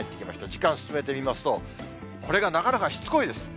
時間進めてみますと、これがなかなかしつこいです。